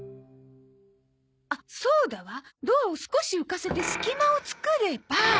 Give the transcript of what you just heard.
あっそうだわドアを少し浮かせて隙間を作れば。